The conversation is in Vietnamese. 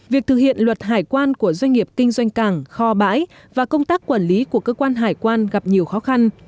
việc thực hiện luật hải quan của doanh nghiệp kinh doanh cảng kho bãi và công tác quản lý của cơ quan hải quan gặp nhiều khó khăn